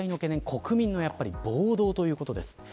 国民の暴動ということです。